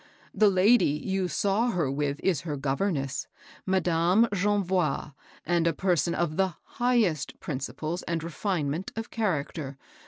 The lady you saw her with is her governess. Madam Jonvois, and a person q€ tfe^i \&s^v^ 884 MABEL BOSS. principles and refinement of character.